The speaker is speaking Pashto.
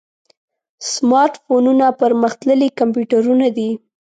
سمارټ فونونه پرمختللي کمپیوټرونه دي.